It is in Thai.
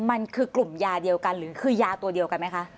มันคือกลุ่มยาเดียวกันหรือคือยาตัวเดียวกันไหมคะ